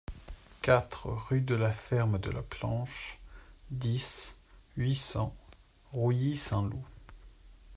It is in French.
quatre rue de la Ferme de la Planche, dix, huit cents, Rouilly-Saint-Loup